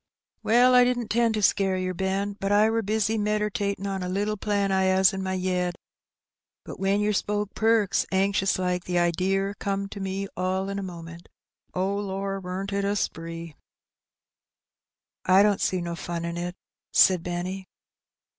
"Well, I didn't 'tend to scare yer, Ben, for I wur bissy medertatin' on a little plan I 'as in my yed; but when yer spoke 'Perks!' anxious like, the idear comed to me all in a moment. Oh, lor, weren't it a spree !" "I don't see no fun in it," said Benny.